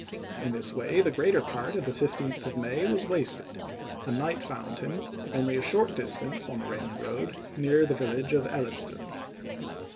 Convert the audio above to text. In this way the greater part 1863. of the 15th of May was wasted, and night found him only a short distance on the Raymond road near the village of Elliston.